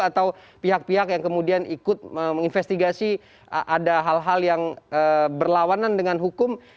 atau pihak pihak yang kemudian ikut menginvestigasi ada hal hal yang berlawanan dengan hukum